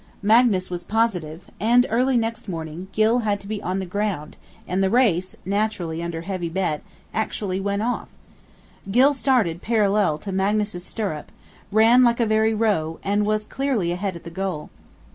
Magnus was positive; and, early next morning, Gylle had to be on the ground; and the race, naturally under heavy bet, actually went off. Gylle started parallel to Magnus's stirrup; ran like a very roe, and was clearly ahead at the goal.